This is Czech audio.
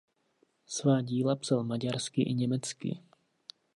Svá díla psal maďarsky i německy.